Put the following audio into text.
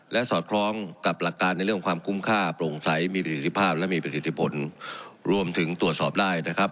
และสอดคล้องกับหลักการในเรื่องความคุ้มค่าโปร่งใสมีประสิทธิภาพและมีประสิทธิผลรวมถึงตรวจสอบได้นะครับ